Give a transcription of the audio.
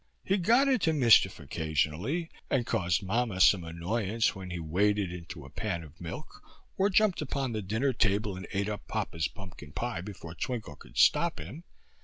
He got into mischief occasionally, and caused mamma some annoyance when he waded into a pan of milk or jumped upon the dinner table and ate up papa's pumpkin pie before Twinkle could stop him.